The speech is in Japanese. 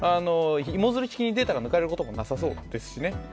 芋づる式にデータが抜かれることもなさそうですしね。